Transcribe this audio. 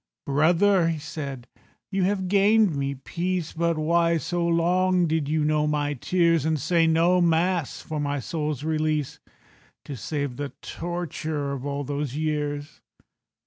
"Brother," he said, "you have gained me peace, But why so long did you know my tears, And say no Mass for my soul's release, To save the torture of all those years?"